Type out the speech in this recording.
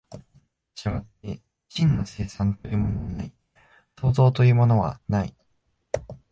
従って真の生産というものはない、創造というものはない。